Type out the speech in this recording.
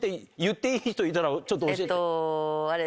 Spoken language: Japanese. いたらちょっと教えて。